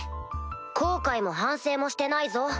後悔も反省もしてないぞ。